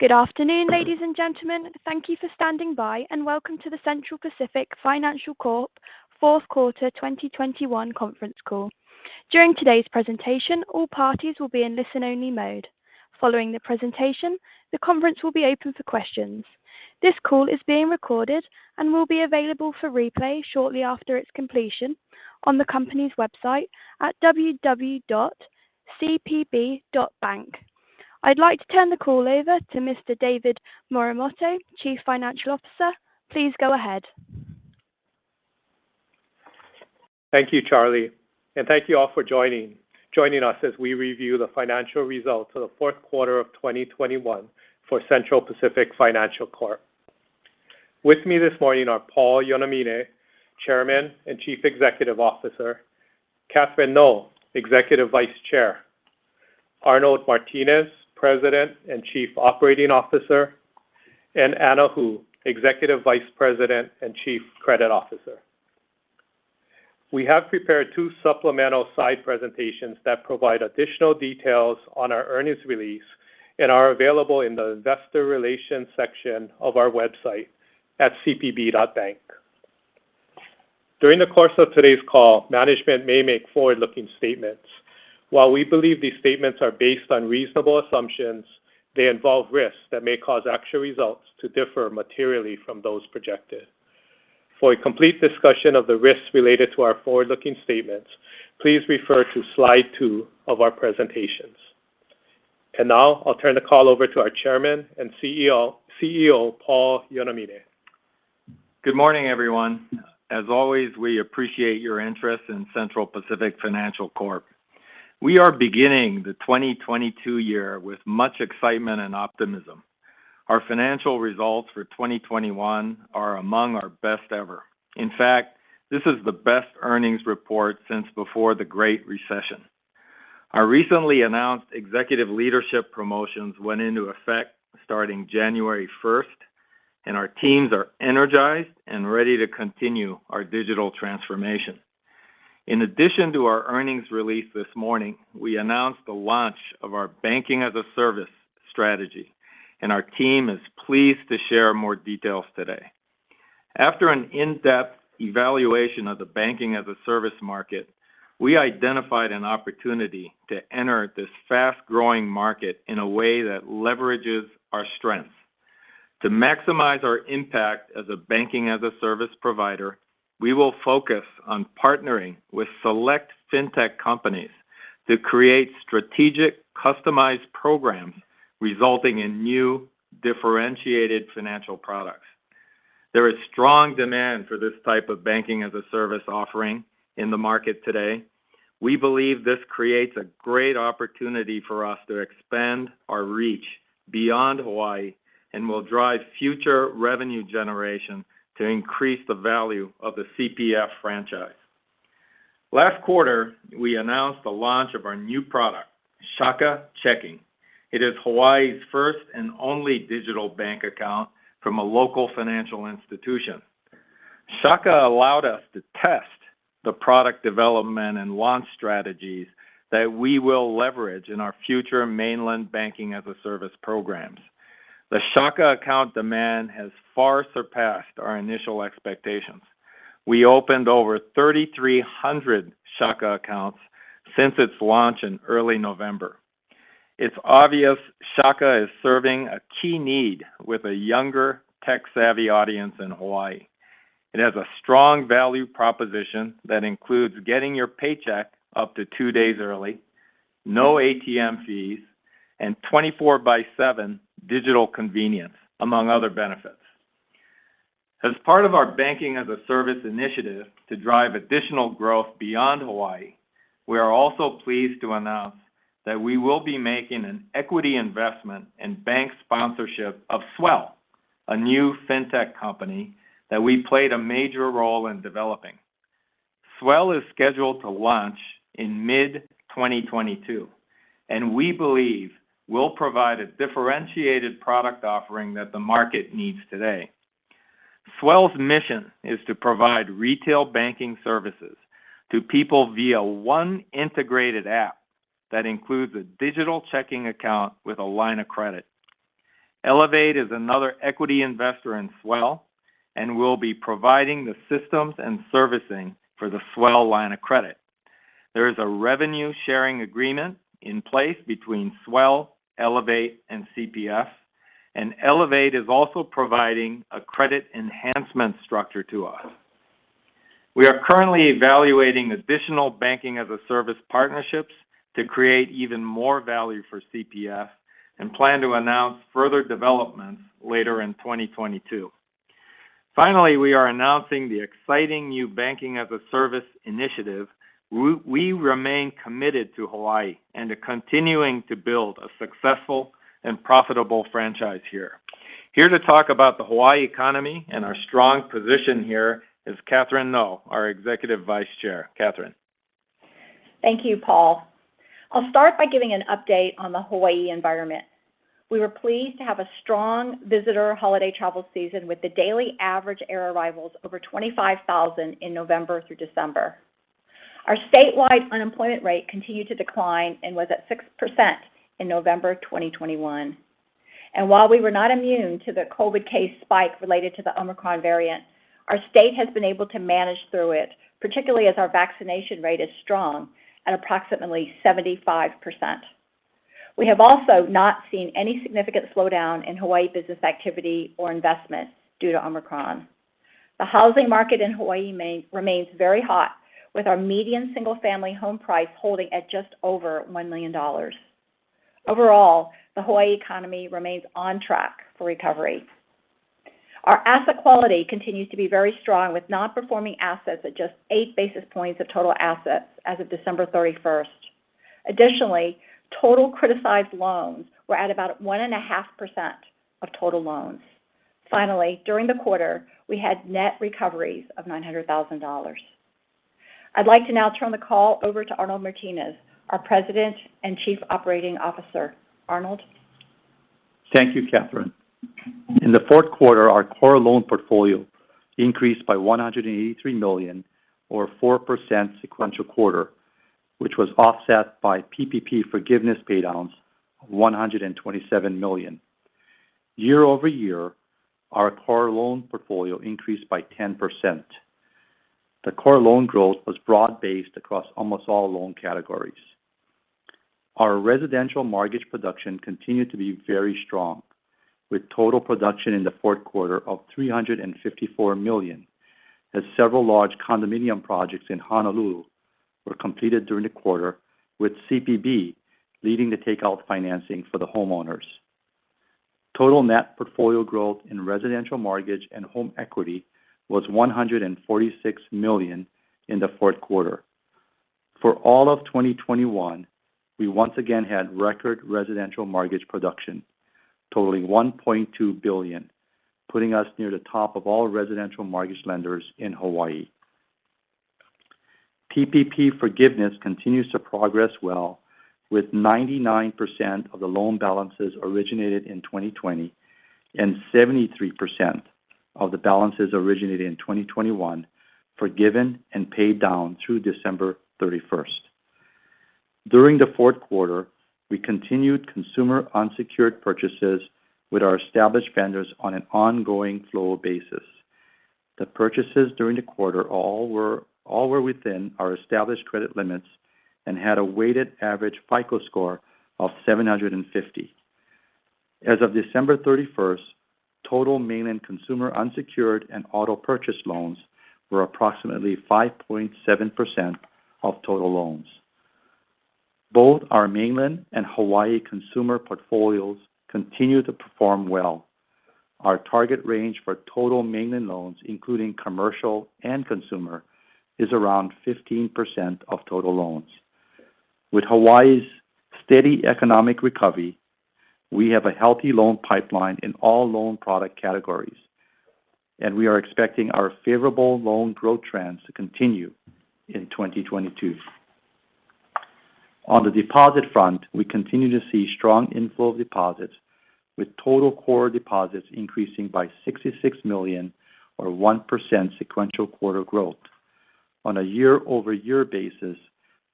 Good afternoon, ladies and gentlemen. Thank you for standing by, and welcome to the Central Pacific Financial Corp fourth quarter 2021 conference call. During today's presentation, all parties will be in listen-only mode. Following the presentation, the conference will be open for questions. This call is being recorded and will be available for replay shortly after its completion on the company's website at www.cpb.bank. I'd like to turn the call over to Mr. David Morimoto, Chief Financial Officer. Please go ahead. Thank you, Charlie, and thank you all for joining us as we review the financial results for the fourth quarter of 2021 for Central Pacific Financial Corp. With me this morning are Paul Yonamine, Chairman and Chief Executive Officer, Catherine Ngo, Executive Vice Chair, Arnold Martines, President and Chief Operating Officer, and Anna Hu, Executive Vice President and Chief Credit Officer. We have prepared two supplemental side presentations that provide additional details on our earnings release and are available in the investor relations section of our website at cpb.bank. During the course of today's call, management may make forward-looking statements. While we believe these statements are based on reasonable assumptions, they involve risks that may cause actual results to differ materially from those projected. For a complete discussion of the risks related to our forward-looking statements, please refer to slide two of our presentations. Now I'll turn the call over to our Chairman and CEO, Paul Yonamine. Good morning, everyone. As always, we appreciate your interest in Central Pacific Financial Corp. We are beginning the 2022 year with much excitement and optimism. Our financial results for 2021 are among our best ever. In fact, this is the best earnings report since before the Great Recession. Our recently announced executive leadership promotions went into effect starting January 1st, and our teams are energized and ready to continue our digital transformation. In addition to our earnings release this morning, we announced the launch of our banking-as-a-service strategy, and our team is pleased to share more details today. After an in-depth evaluation of the banking-as-a-service market, we identified an opportunity to enter this fast-growing market in a way that leverages our strengths. To maximize our impact as a banking-as-a-service provider, we will focus on partnering with select fintech companies to create strategic, customized programs resulting in new, differentiated financial products. There is strong demand for this type of Banking-as-a-Service offering in the market today. We believe this creates a great opportunity for us to expand our reach beyond Hawaii and will drive future revenue generation to increase the value of the CPF franchise. Last quarter, we announced the launch of our new product, Shaka Checking. It is Hawaii's first and only digital bank account from a local financial institution. Shaka allowed us to test the product development and launch strategies that we will leverage in our future mainland Banking-as-a-Service programs. The Shaka account demand has far surpassed our initial expectations. We opened over 3,300 Shaka accounts since its launch in early November. It's obvious Shaka is serving a key need with a younger, tech-savvy audience in Hawaii. It has a strong value proposition that includes getting your paycheck up to two days early, no ATM fees, and 24/7 digital convenience, among other benefits. As part of our Banking-as-a-Service initiative to drive additional growth beyond Hawaii, we are also pleased to announce that we will be making an equity investment in bank sponsorship of Swell, a new fintech company that we played a major role in developing. Swell is scheduled to launch in mid-2022, and we believe will provide a differentiated product offering that the market needs today. Swell's mission is to provide retail banking services to people via one integrated app that includes a digital checking account with a line of credit. Elevate is another equity investor in Swell and will be providing the systems and servicing for the Swell line of credit. There is a revenue sharing agreement in place between Swell, Elevate, and CPF, and Elevate is also providing a credit enhancement structure to us. We are currently evaluating additional Banking-as-a-Service partnerships to create even more value for CPF and plan to announce further developments later in 2022. Finally, we are announcing the exciting new Banking-as-a-Service initiative. We remain committed to Hawaii and to continuing to build a successful and profitable franchise here. Here to talk about the Hawaii economy and our strong position here is Catherine Ngo, our Executive Vice Chair. Catherine. Thank you, Paul. I'll start by giving an update on the Hawaii environment. We were pleased to have a strong visitor holiday travel season with the daily average air arrivals over 25,000 in November through December. Our statewide unemployment rate continued to decline and was at 6% in November 2021. While we were not immune to the COVID case spike related to the Omicron variant, our state has been able to manage through it, particularly as our vaccination rate is strong at approximately 75%. We have also not seen any significant slowdown in Hawaii business activity or investment due to Omicron. The housing market in Hawaii remains very hot with our median single-family home price holding at just over $1 million. Overall, the Hawaii economy remains on track for recovery. Our asset quality continues to be very strong with non-performing assets at just 8 basis points of total assets as of December 31st. Additionally, total criticized loans were at about 1.5% of total loans. Finally, during the quarter, we had net recoveries of $900,000. I'd like to now turn the call over to Arnold Martines, our President and Chief Operating Officer. Arnold. Thank you, Catherine. In the fourth quarter, our core loan portfolio increased by $183 million or 4% sequential quarter, which was offset by PPP forgiveness paid downs of $127 million. Year-over-year, our core loan portfolio increased by 10%. The core loan growth was broad-based across almost all loan categories. Our residential mortgage production continued to be very strong, with total production in the fourth quarter of $354 million as several large condominium projects in Honolulu were completed during the quarter, with CPB leading the takeout financing for the homeowners. Total net portfolio growth in residential mortgage and home equity was $146 million in the fourth quarter. For all of 2021, we once again had record residential mortgage production totaling $1.2 billion, putting us near the top of all residential mortgage lenders in Hawaii. PPP forgiveness continues to progress well, with 99% of the loan balances originated in 2020 and 73% of the balances originated in 2021 forgiven and paid down through December 31st. During the fourth quarter, we continued consumer unsecured purchases with our established vendors on an ongoing flow basis. The purchases during the quarter all were within our established credit limits and had a weighted average FICO score of 750. As of December 31st, total mainland consumer unsecured and auto purchase loans were approximately 5.7% of total loans. Both our mainland and Hawaii consumer portfolios continue to perform well. Our target range for total mainland loans, including commercial and consumer, is around 15% of total loans. With Hawaii's steady economic recovery, we have a healthy loan pipeline in all loan product categories, and we are expecting our favorable loan growth trends to continue in 2022. On the deposit front, we continue to see strong inflow of deposits, with total core deposits increasing by $66 million or 1% sequential quarter growth. On a year-over-year basis,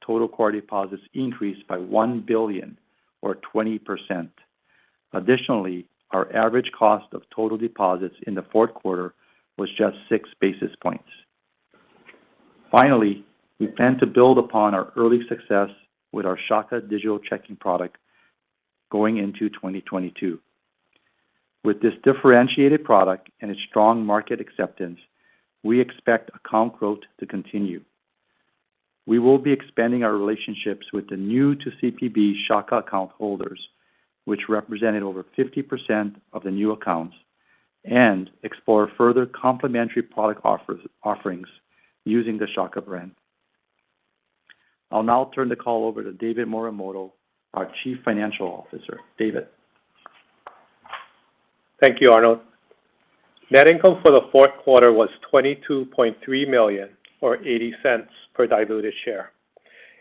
total core deposits increased by $1 billion or 20%. Additionally, our average cost of total deposits in the fourth quarter was just 6 basis points. Finally, we plan to build upon our early success with our Shaka digital checking product going into 2022. With this differentiated product and its strong market acceptance, we expect account growth to continue. We will be expanding our relationships with the new-to-CPB Shaka account holders, which represented over 50% of the new accounts, and explore further complementary product offerings using the Shaka brand. I'll now turn the call over to David Morimoto, our Chief Financial Officer. David. Thank you, Arnold. Net income for the fourth quarter was $22.3 million or $0.80 per diluted share,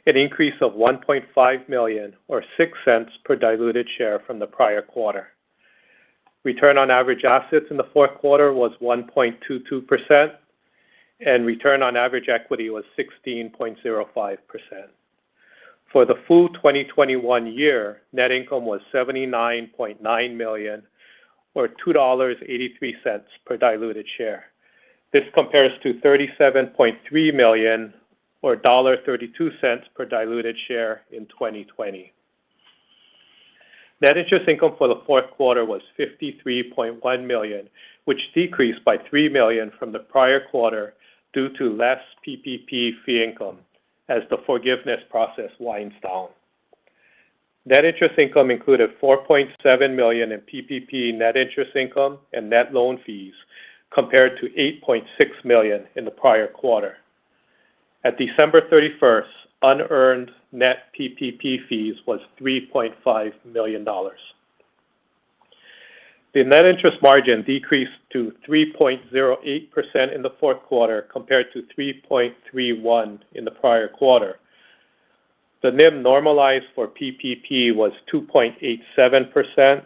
an increase of $1.5 million or $0.06 per diluted share from the prior quarter. Return on average assets in the fourth quarter was 1.22%, and return on average equity was 16.05%. For the full 2021 year, net income was $79.9 million or $2.83 per diluted share. This compares to $37.3 million or $1.32 per diluted share in 2020. Net interest income for the fourth quarter was $53.1 million, which decreased by $3 million from the prior quarter due to less PPP fee income as the forgiveness process winds down. Net interest income included $4.7 million in PPP net interest income and net loan fees compared to $8.6 million in the prior quarter. At December 31, unearned net PPP fees was $3.5 million. The net interest margin decreased to 3.08% in the fourth quarter compared to 3.31% in the prior quarter. The NIM normalized for PPP was 2.87%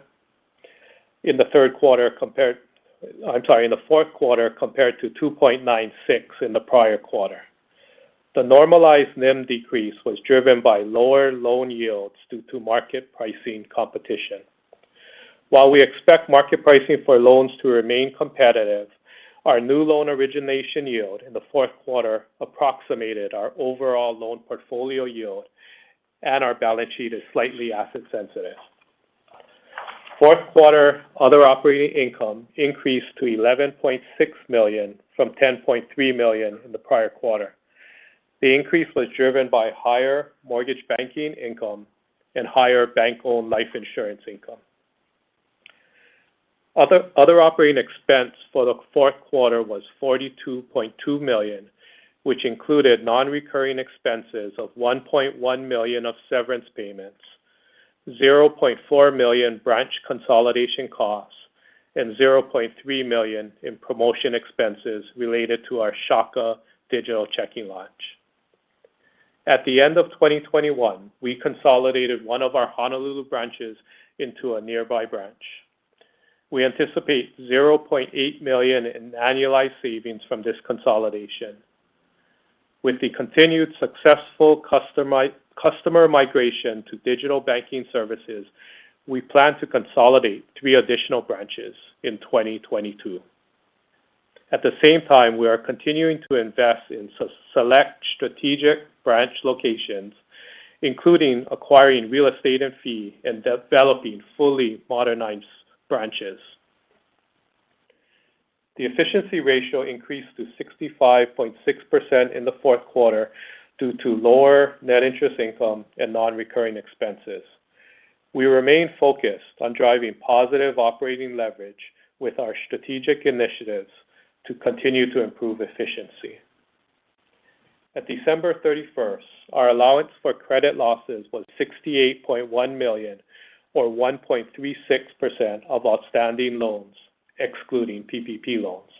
in the fourth quarter compared to 2.96% in the prior quarter. The normalized NIM decrease was driven by lower loan yields due to market pricing competition. While we expect market pricing for loans to remain competitive, our new loan origination yield in the fourth quarter approximated our overall loan portfolio yield, and our balance sheet is slightly asset sensitive. Fourth quarter other operating income increased to $11.6 million from $10.3 million in the prior quarter. The increase was driven by higher mortgage banking income and higher bank-owned life insurance income. Other operating expense for the fourth quarter was $42.2 million, which included non-recurring expenses of $1.1 million of severance payments, $0.4 million branch consolidation costs, and $0.3 million in promotion expenses related to our Shaka digital checking launch. At the end of 2021, we consolidated one of our Honolulu branches into a nearby branch. We anticipate $0.8 million in annualized savings from this consolidation. With the continued successful customer migration to digital banking services, we plan to consolidate three additional branches in 2022. At the same time, we are continuing to invest in select strategic branch locations, including acquiring real estate and leasing and developing fully modernized branches. The efficiency ratio increased to 65.6% in the fourth quarter due to lower net interest income and non-recurring expenses. We remain focused on driving positive operating leverage with our strategic initiatives to continue to improve efficiency. At December 31st, our allowance for credit losses was $68.1 million, or 1.36% of outstanding loans, excluding PPP loans.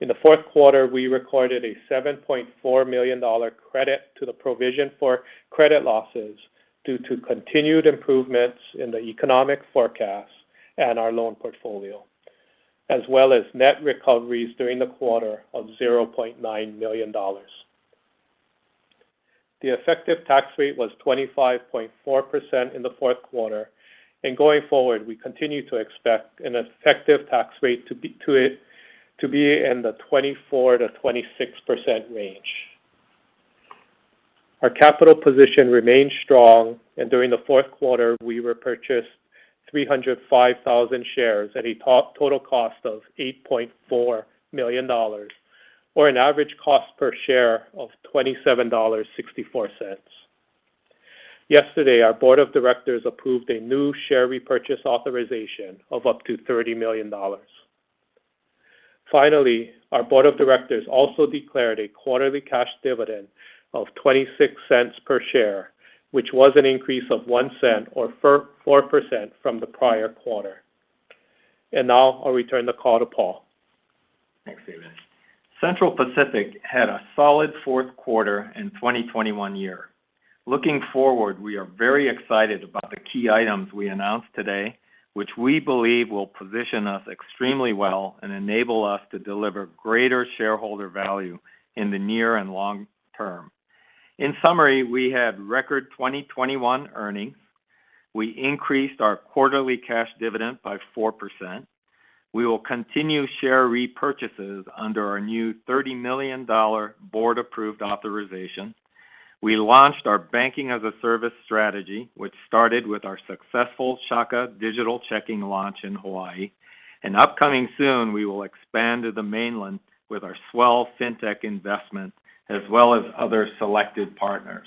In the fourth quarter, we recorded a $7.4 million credit to the provision for credit losses due to continued improvements in the economic forecast and our loan portfolio, as well as net recoveries during the quarter of $0.9 million. The effective tax rate was 25.4% in the fourth quarter, and going forward, we continue to expect an effective tax rate to be in the 24%-26% range. Our capital position remains strong, and during the fourth quarter, we repurchased 305,000 shares at a total cost of $8.4 million, or an average cost per share of $27.64. Yesterday, our board of directors approved a new share repurchase authorization of up to $30 million. Finally, our board of directors also declared a quarterly cash dividend of $0.26 per share, which was an increase of $0.01 or 4% from the prior quarter. Now I'll return the call to Paul. Thanks, David. Central Pacific had a solid fourth quarter and 2021 year. Looking forward, we are very excited about the key items we announced today, which we believe will position us extremely well and enable us to deliver greater shareholder value in the near and long term. In summary, we had record 2021 earnings. We increased our quarterly cash dividend by 4%. We will continue share repurchases under our new $30 million board-approved authorization. We launched our Banking-as-a-Service strategy, which started with our successful Shaka digital checking launch in Hawaii. Upcoming soon, we will expand to the mainland with our Swell fintech investment, as well as other selected partners.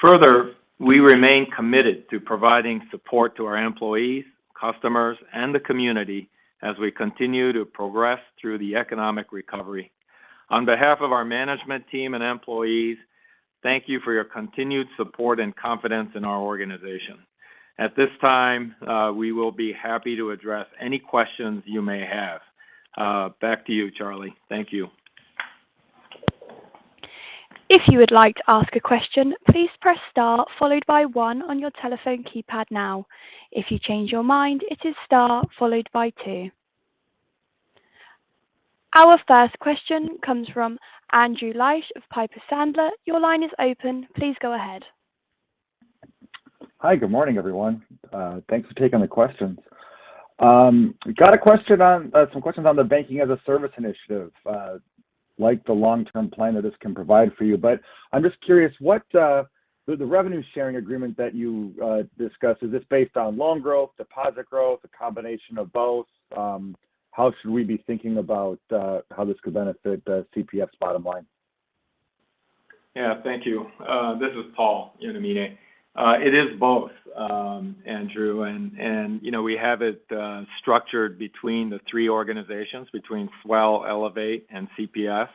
Further, we remain committed to providing support to our employees, customers, and the community as we continue to progress through the economic recovery. On behalf of our management team and employees, thank you for your continued support and confidence in our organization. At this time, we will be happy to address any questions you may have. Back to you, Charlie. Thank you. Our first question comes from Andrew Liesch of Piper Sandler. Your line is open. Please go ahead. Hi. Good morning, everyone. Thanks for taking the questions. Got some questions on the Banking-as-a-Service initiative, like the long-term plan that this can provide for you. I'm just curious, what the revenue sharing agreement that you discussed, is this based on loan growth, deposit growth, a combination of both? How should we be thinking about how this could benefit CPF bottom line? Yeah, thank you. This is Paul Yonamine. It is both, Andrew, and you know, we have it structured between the three organizations, between Swell, Elevate, and CPF.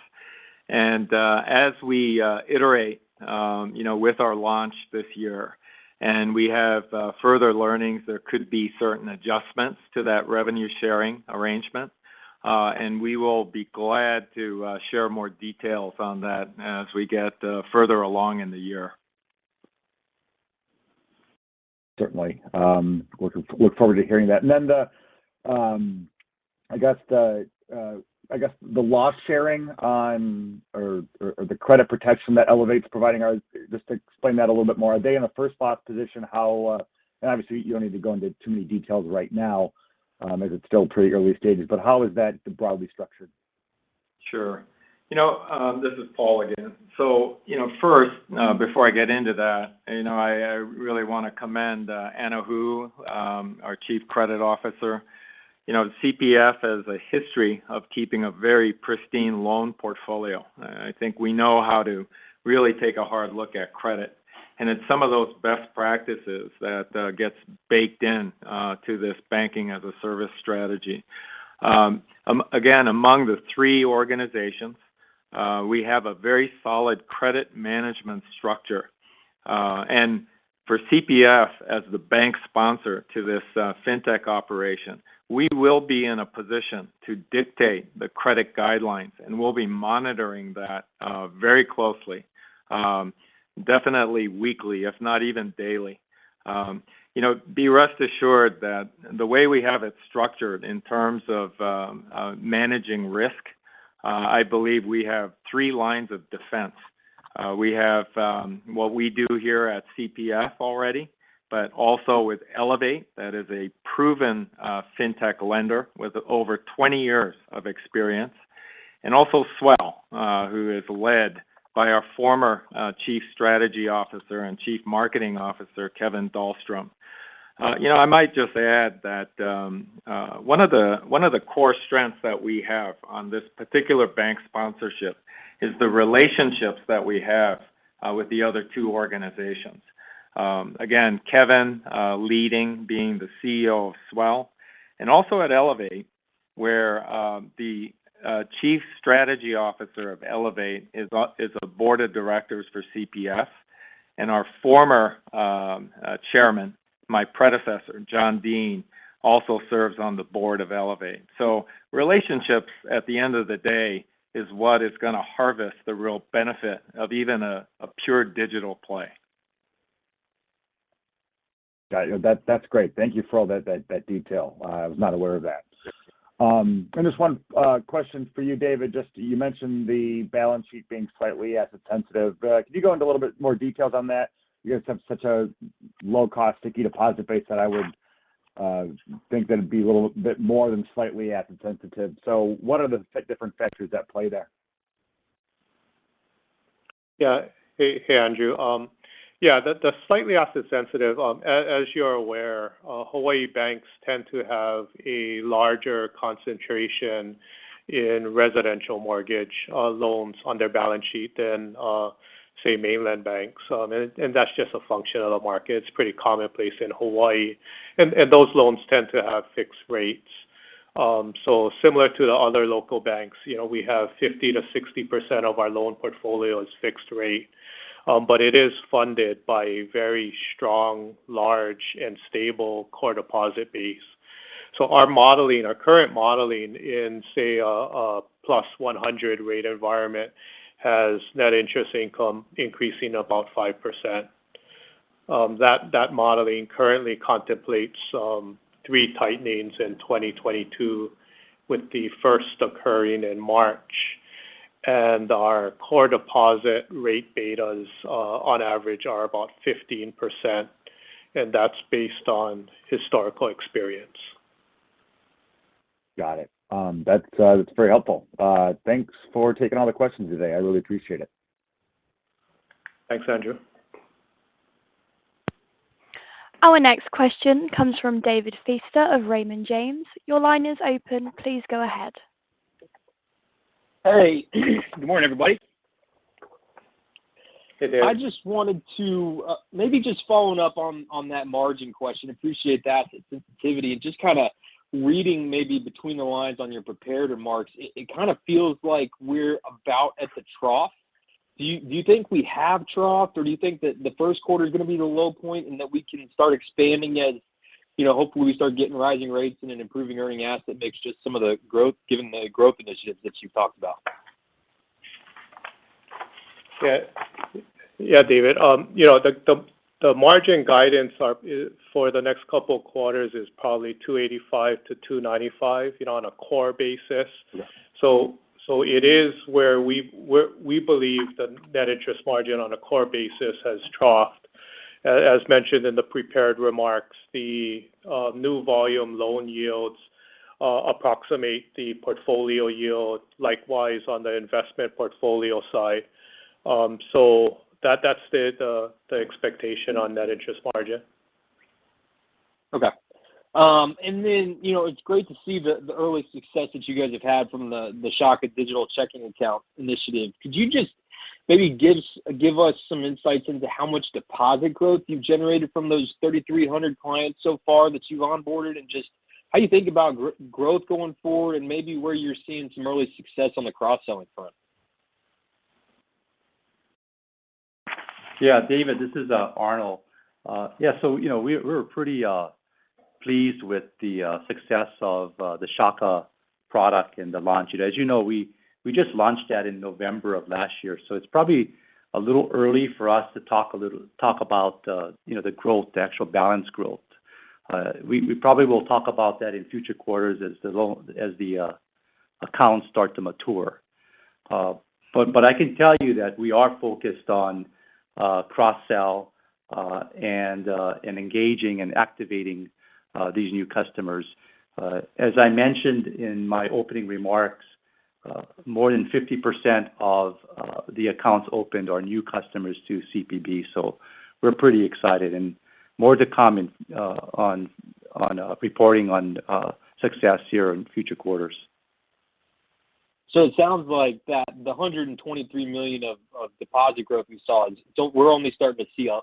As we iterate, you know, with our launch this year and we have further learnings, there could be certain adjustments to that revenue-sharing arrangement. We will be glad to share more details on that as we get further along in the year. Certainly. Look forward to hearing that. I guess the loss sharing or the credit protection that Elevate's providing, just to explain that a little bit more. Are they in a first loss position? How, obviously you don't need to go into too many details right now, as it's still pretty early stages, but how is that broadly structured? Sure. You know, this is Paul again. You know, first, before I get into that, you know, I really want to commend Anna Hu, our Chief Credit Officer. You know, CPF has a history of keeping a very pristine loan portfolio. I think we know how to really take a hard look at credit, and it's some of those best practices that gets baked in to this Banking-as-a-Service strategy. Again, among the three organizations, we have a very solid credit management structure. For CPF as the bank sponsor to this fintech operation, we will be in a position to dictate the credit guidelines, and we'll be monitoring that very closely, definitely weekly, if not even daily. You know, be rest assured that the way we have it structured in terms of managing risk, I believe we have three lines of defense. We have what we do here at CPF already, but also with Elevate, that is a proven fintech lender with over 20 years of experience, and also Swell, who is led by our former Chief Strategy Officer and Chief Marketing Officer, Kevin Dahlstrom. You know, I might just add that one of the core strengths that we have on this particular bank sponsorship is the relationships that we have with the other two organizations. Again, Kevin leading, being the CEO of Swell, and also at Elevate, where the Chief Strategy Officer of Elevate is a board of directors for CPF. Our former chairman, my predecessor, John Dean, also serves on the board of Elevate. Relationships, at the end of the day, is what is going to harvest the real benefit of even a pure digital play. Got you. That's great. Thank you for all that detail. I was not aware of that. Just one question for you, David. You mentioned the balance sheet being slightly asset sensitive. Could you go into a little bit more details on that? You guys have such a low cost sticky deposit base that I would think that it'd be a little bit more than slightly asset sensitive. What are the different factors at play there? Yeah. Hey, Andrew. Yeah, the slightly asset sensitive, as you're aware, Hawaii banks tend to have a larger concentration in residential mortgage loans on their balance sheet than say, mainland banks. That's just a function of the market. It's pretty commonplace in Hawaii. Those loans tend to have fixed rates. Similar to the other local banks, you know, we have 50%-60% of our loan portfolio is fixed rate. But it is funded by a very strong, large, and stable core deposit base. Our current modeling in, say, a +100 rate environment has net interest income increasing about 5%. That modeling currently contemplates three tightenings in 2022, with the first occurring in March. Our core deposit rate betas, on average, are about 15%, and that's based on historical experience. Got it. That's very helpful. Thanks for taking all the questions today. I really appreciate it. Thanks, Andrew. Our next question comes from David Feaster of Raymond James. Your line is open. Please go ahead. Hey. Good morning, everybody. Hey, David. I just wanted to maybe just follow up on that margin question, appreciate that sensitivity, and just kind of reading maybe between the lines on your prepared remarks, it kind of feels like we're about at the trough. Do you think we have troughed, or do you think that the first quarter is going to be the low point and that we can start expanding as you know, hopefully we start getting rising rates and an improving earning asset mix, just some of the growth given the growth initiatives that you've talked about? Yeah, David. You know, the margin guidance for the next couple of quarters is probably 2.85%-2.95%, you know, on a core basis. Yeah. We believe the net interest margin on a core basis has troughed. As mentioned in the prepared remarks, the new volume loan yields approximate the portfolio yield, likewise on the investment portfolio side. That's the expectation on net interest margin. Okay. You know, it's great to see the early success that you guys have had from the Shaka digital checking account initiative. Could you just maybe give us some insights into how much deposit growth you've generated from those 3,300 clients so far that you've onboarded, and just how you think about growth going forward, and maybe where you're seeing some early success on the cross-selling front? Yeah. David, this is Arnold. Yeah. You know, we're pretty- Pleased with the success of the Shaka product and the launch. As you know, we just launched that in November of last year, so it's probably a little early for us to talk about the, you know, the growth, the actual balance growth. We probably will talk about that in future quarters as the accounts start to mature. But I can tell you that we are focused on cross-sell and engaging and activating these new customers. As I mentioned in my opening remarks, more than 50% of the accounts opened are new customers to CPB, so we're pretty excited. More to comment on reporting on success here in future quarters. It sounds like that the $123 million of deposit growth we saw. We're only starting to see a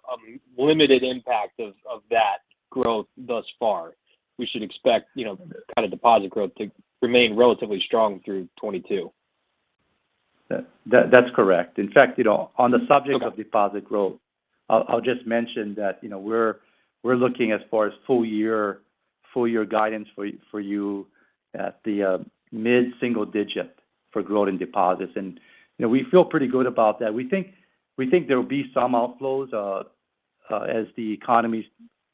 limited impact of that growth thus far. We should expect, you know, that kind of deposit growth to remain relatively strong through 2022. That's correct. In fact, you know, on the subject of deposit growth, I'll just mention that, you know, we're looking as far as full-year guidance for you at the mid-single-digit% for growth in deposits. You know, we feel pretty good about that. We think there will be some outflows as the economy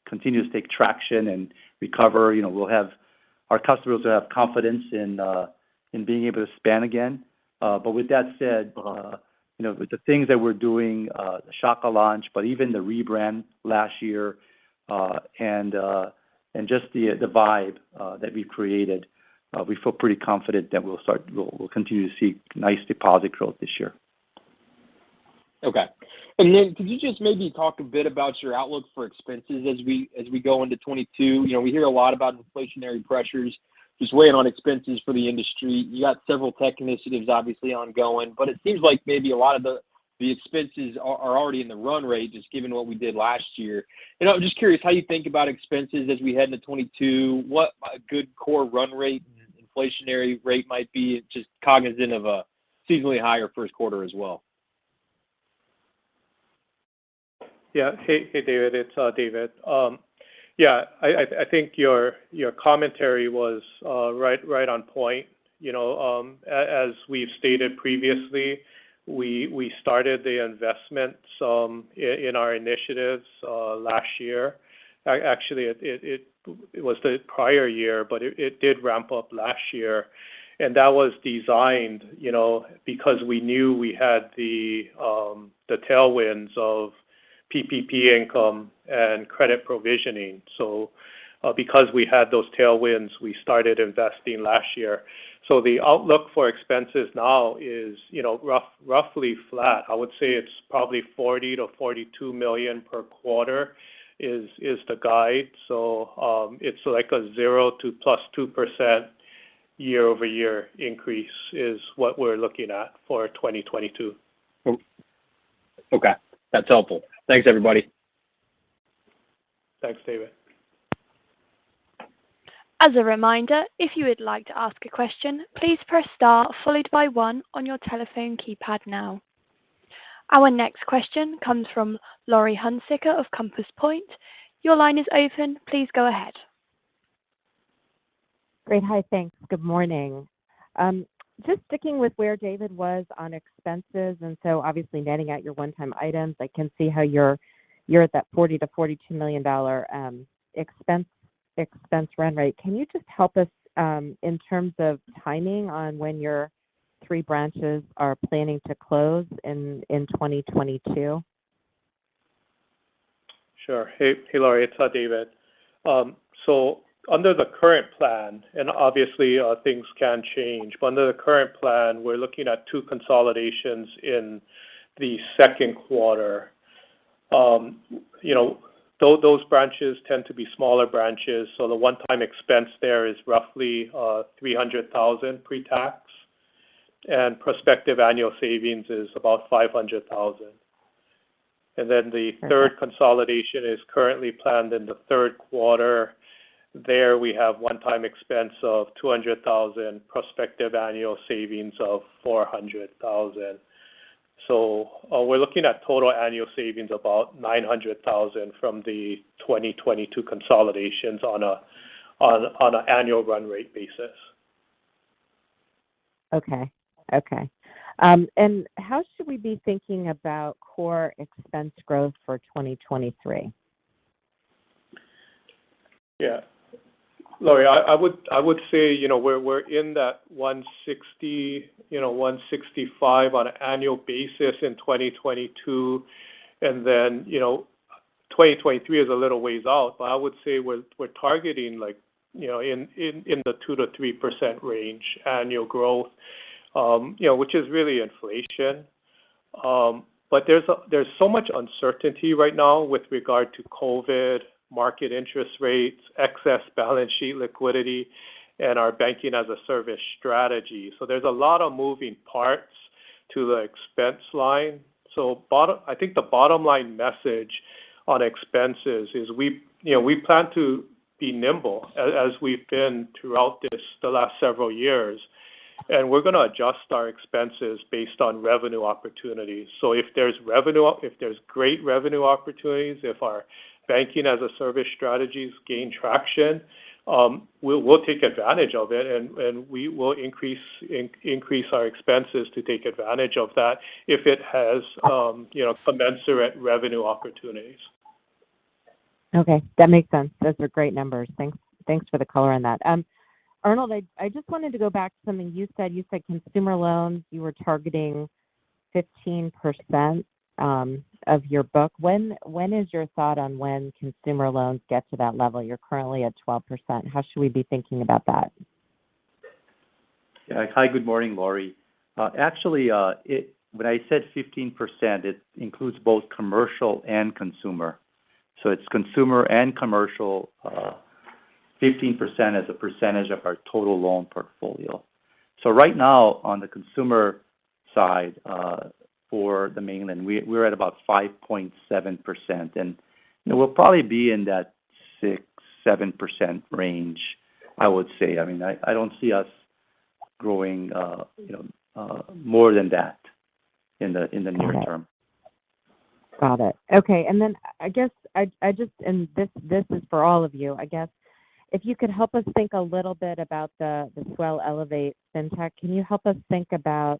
continues to take traction and recover. You know, our customers will have confidence in being able to spend again. With that said, you know, the things that we're doing, the Shaka launch, but even the rebrand last year, and just the vibe that we've created, we feel pretty confident that we'll continue to see nice deposit growth this year. Okay. Then could you just maybe talk a bit about your outlook for expenses as we go into 2022? You know, we hear a lot about inflationary pressures just weighing on expenses for the industry. You got several tech initiatives obviously ongoing, but it seems like maybe a lot of the expenses are already in the run rate, just given what we did last year. You know, just curious how you think about expenses as we head into 2022. What a good core run rate and inflationary rate might be, just cognizant of a seasonally higher first quarter as well. Hey, David, it's David. Yeah, I think your commentary was right on point. You know, as we've stated previously, we started the investments in our initiatives last year. Actually, it was the prior year, but it did ramp up last year. That was designed, you know, because we knew we had the tailwinds of PPP income and credit provisioning. Because we had those tailwinds, we started investing last year. The outlook for expenses now is, you know, roughly flat. I would say it's probably $40 million-$42 million per quarter is the guide. It's like a 0% to +2% year-over-year increase is what we're looking at for 2022. Okay. That's helpful. Thanks, everybody. Thanks, David. As a reminder, if you would like to ask a question, please press star followed by one on your telephone keypad now. Our next question comes from Laurie Hunsicker of Compass Point. Your line is open. Please go ahead. Great. Hi. Thanks. Good morning. Just sticking with where David was on expenses, and so obviously netting out your one-time items, I can see how you're at that $40 million-$42 million expense run rate. Can you just help us in terms of timing on when your three branches are planning to close in 2022? Sure. Hey, Laurie. It's David. Under the current plan, and obviously things can change, but under the current plan, we're looking at two consolidations in the second quarter. You know, those branches tend to be smaller branches, so the one-time expense there is roughly $300,000 pre-tax, and prospective annual savings is about $500,000. Then the third consolidation is currently planned in the third quarter. There we have one-time expense of $200,000, prospective annual savings of $400,000. We're looking at total annual savings about $900,000 from the 2022 consolidations on an annual run rate basis. Okay, how should we be thinking about core expense growth for 2023? Yeah. Laurie, I would say, you know, we're in that $160 million-$165 million on an annual basis in 2022. 2023 is a little ways out, but I would say we're targeting like, you know, in the 2%-3% range annual growth, which is really inflation. There's so much uncertainty right now with regard to COVID, market interest rates, excess balance sheet liquidity, and our Banking-as-a-Service strategy. There's a lot of moving parts to the expense line. I think the bottom line message on expenses is we plan to be nimble, as we've been throughout the last several years. We're gonna adjust our expenses based on revenue opportunities. If there's great revenue opportunities, if our Banking-as-a-Service strategies gain traction, we'll take advantage of it and we will increase our expenses to take advantage of that if it has, you know, commensurate revenue opportunities. Okay. That makes sense. Those are great numbers. Thanks for the color on that. Arnold, I just wanted to go back to something you said. You said consumer loans, you were targeting 15% of your book. When is your thought on when consumer loans get to that level? You're currently at 12%. How should we be thinking about that? Yeah. Hi, good morning, Laurie. Actually, when I said 15%, it includes both commercial and consumer. It's consumer and commercial, 15% as a percentage of our total loan portfolio. Right now, on the consumer side, for the mainland, we're at about 5.7%. You know, we'll probably be in that 6%-7% range, I would say. I mean, I don't see us growing, you know, more than that in the near term. Okay. Got it. Okay. This is for all of you. I guess if you could help us think a little bit about the Swell Elevate fintech. Can you help us think about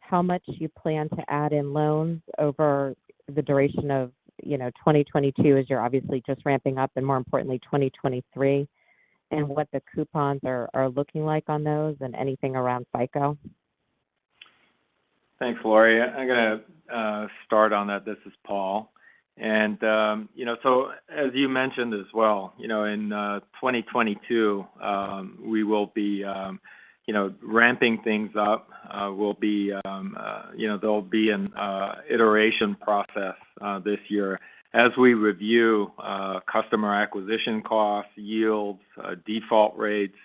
how much you plan to add in loans over the duration of, you know, 2022 as you're obviously just ramping up, and more importantly, 2023, and what the coupons are looking like on those and anything around FICO? Thanks, Laurie. I'm gonna start on that. This is Paul. You know, as you mentioned as well, you know, in 2022, we will be, you know, ramping things up. We'll be, you know, there'll be an iteration process this year as we review customer acquisition costs, yields, default rates,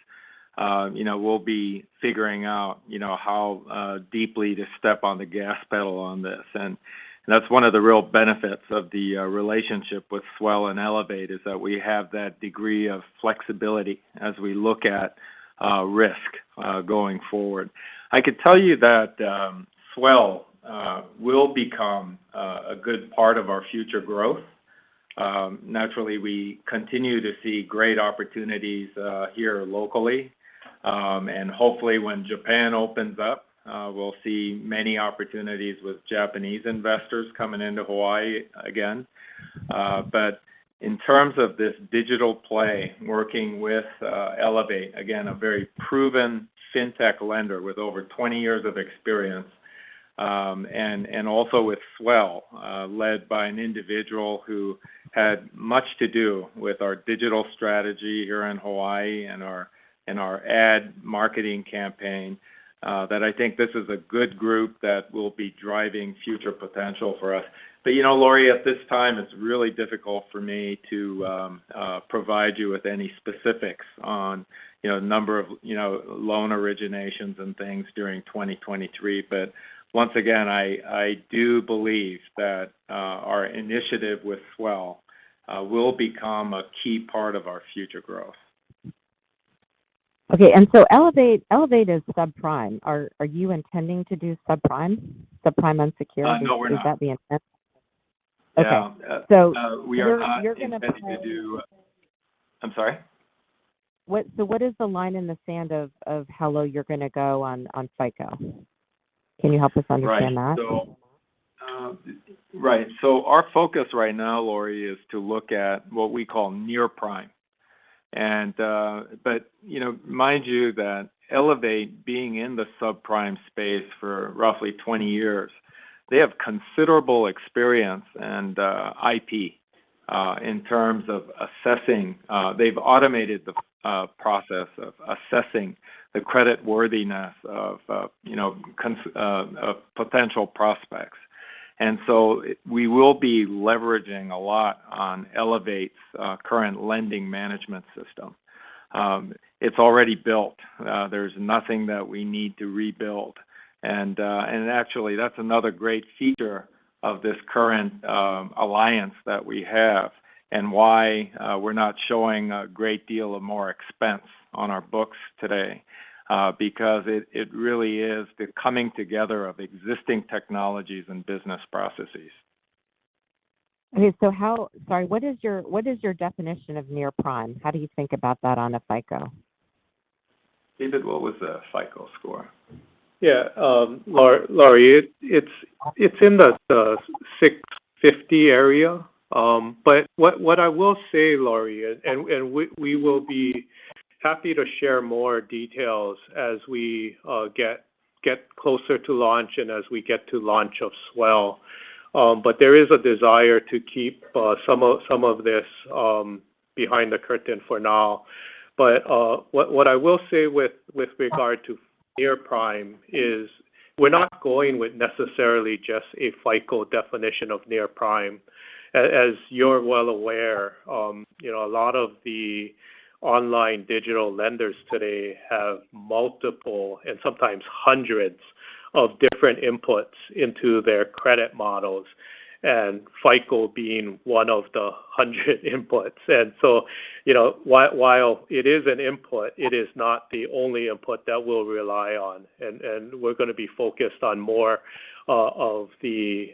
you know, we'll be figuring out, you know, how deeply to step on the gas pedal on this. That's one of the real benefits of the relationship with Swell and Elevate, is that we have that degree of flexibility as we look at risk going forward. I can tell you that Swell will become a good part of our future growth. Naturally, we continue to see great opportunities here locally. Hopefully when Japan opens up, we'll see many opportunities with Japanese investors coming into Hawaii again. In terms of this digital play, working with Elevate, again, a very proven fintech lender with over 20 years of experience, and also with Swell, led by an individual who had much to do with our digital strategy here in Hawaii and our ad marketing campaign, that I think this is a good group that will be driving future potential for us. You know, Laurie, at this time, it's really difficult for me to provide you with any specifics on, you know, number of, you know, loan originations and things during 2023. Once again, I do believe that our initiative with Swell will become a key part of our future growth. Okay. Elevate is subprime. Are you intending to do subprime unsecured? No, we're not. Is that the intent? Yeah. Okay. You're gonna go- We are not intending to do. I'm sorry? What is the line in the sand of how low you're gonna go on FICO? Can you help us understand that? Right. Our focus right now, Laurie, is to look at what we call near prime. You know, mind you that Elevate being in the subprime space for roughly 20 years, they have considerable experience and IP in terms of assessing. They've automated the process of assessing the creditworthiness of, you know, potential prospects. We will be leveraging a lot on Elevate's current lending management system. It's already built. There's nothing that we need to rebuild. Actually that's another great feature of this current alliance that we have and why we're not showing a great deal more expense on our books today, because it really is the coming together of existing technologies and business processes. What is your definition of near prime? How do you think about that on a FICO? David, what was the FICO score? Yeah. Laurie, it's in the 650 area. What I will say, Laurie, and we will be happy to share more details as we get closer to launch and as we get to launch of Swell. There is a desire to keep some of this behind the curtain for now. What I will say with regard to near prime is we're not going with necessarily just a FICO definition of near prime. As you're well aware, you know, a lot of the online digital lenders today have multiple and sometimes hundreds of different inputs into their credit models, and FICO being one of the hundred inputs. You know, while it is an input, it is not the only input that we'll rely on. We're gonna be focused on more of the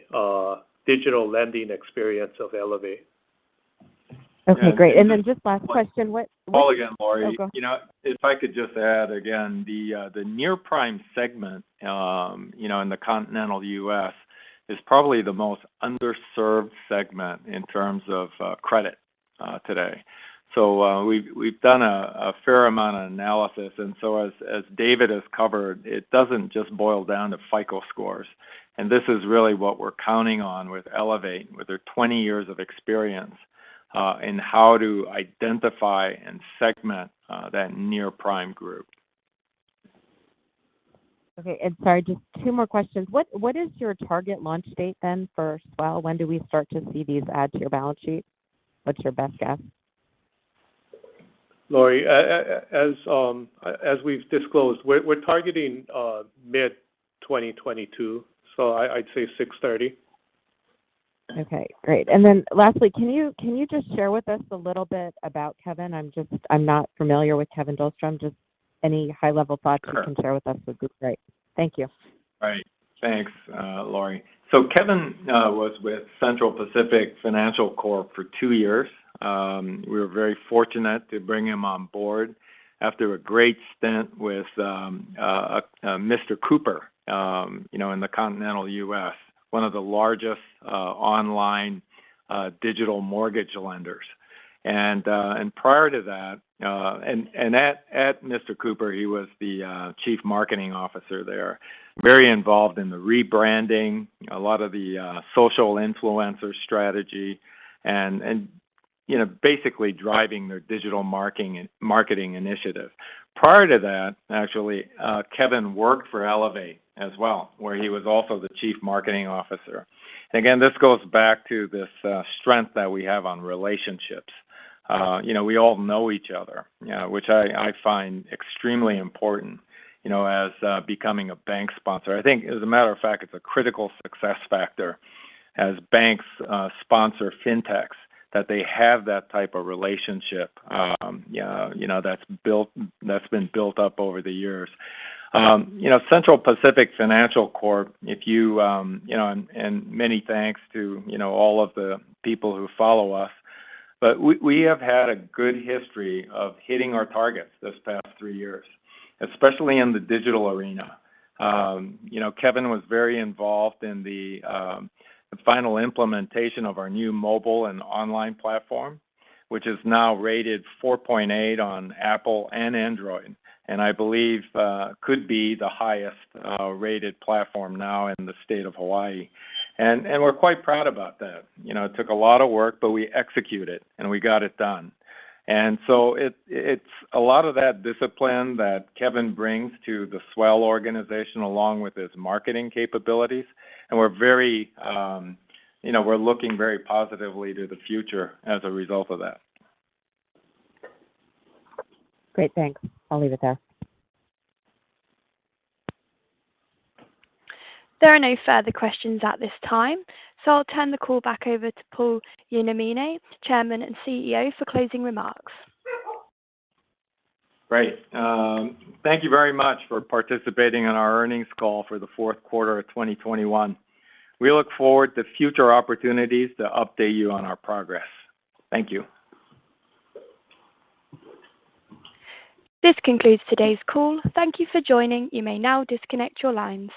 digital lending experience of Elevate. Okay, great. Yeah, and just- Just last question. What- Paul again, Laurie. Oh, go ahead. You know what, if I could just add again, the near-prime segment, you know, in the continental U.S. is probably the most underserved segment in terms of credit today. We've done a fair amount of analysis, and as David has covered, it doesn't just boil down to FICO scores, and this is really what we're counting on with Elevate, with their 20 years of experience in how to identify and segment that near-prime group. Okay. Sorry, just two more questions. What is your target launch date then for Swell? When do we start to see these add to your balance sheet? What's your best guess? Laurie, as we've disclosed, we're targeting mid-2022, so I'd say 630. Okay, great. Lastly, can you just share with us a little bit about Kevin? I'm not familiar with Kevin Dahlstrom. Just any high-level thoughts. Sure You can share with us would be great. Thank you. All right. Thanks, Laurie. Kevin was with Central Pacific Financial Corp for two years. We were very fortunate to bring him on board after a great stint with Mr. Cooper, you know, in the continental U.S., one of the largest online digital mortgage lenders. Prior to that, at Mr. Cooper, he was the chief marketing officer there. Very involved in the rebranding, a lot of the social influencer strategy, and you know, basically driving their digital marketing initiative. Prior to that, actually, Kevin worked for Elevate as well, where he was also the chief marketing officer. Again, this goes back to this strength that we have on relationships. You know, we all know each other, which I find extremely important, you know, as becoming a bank sponsor. I think as a matter of fact, it's a critical success factor as banks sponsor fintechs, that they have that type of relationship, you know, that's been built up over the years. You know, Central Pacific Financial Corp, if you know, and many thanks to, you know, all of the people who follow us, but we have had a good history of hitting our targets this past three years, especially in the digital arena. You know, Kevin was very involved in the final implementation of our new mobile and online platform, which is now rated 4.8 on Apple and Android, and I believe could be the highest rated platform now in the state of Hawaii. We're quite proud about that. You know, it took a lot of work, but we executed and we got it done. It's a lot of that discipline that Kevin brings to the Swell organization along with his marketing capabilities, and we're very, you know, we're looking very positively to the future as a result of that. Great. Thanks. I'll leave it there. There are no further questions at this time, so I'll turn the call back over to Paul Yonamine, Chairman and CEO, for closing remarks. Great. Thank you very much for participating in our earnings call for the fourth quarter of 2021. We look forward to future opportunities to update you on our progress. Thank you. This concludes today's call. Thank you for joining. You may now disconnect your lines.